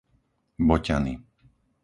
Boťany